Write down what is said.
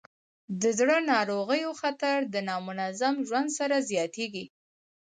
د زړه ناروغیو خطر د نامنظم ژوند سره زیاتېږي.